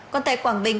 còn tại quảng bình